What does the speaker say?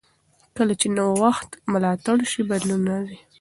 کله چې نوښت ملاتړ شي، بدلون راځي.